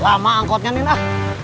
lama angkotnya nen ah